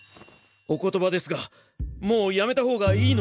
お言葉ですがもうやめた方がいいのでは。